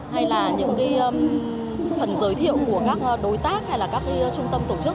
hay là những cái phần giới thiệu của các đối tác hay là các trung tâm tổ chức